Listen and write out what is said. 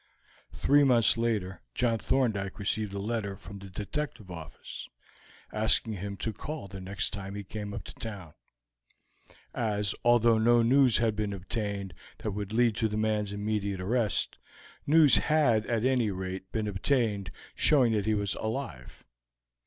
Three months later John Thorndyke received a letter from the Detective Office asking him to call the next time he came up to town, as although no news had been obtained that would lead to the man's immediate arrest, news had at any rate been obtained showing that he was alive.